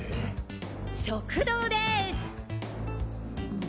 食堂です。